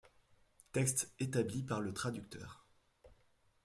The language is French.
Texte établi par le traducteur.